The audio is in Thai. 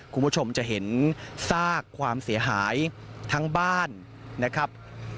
คุณผู้ชมจะเห็นซากความเสียหายทั้งบ้านนะครับ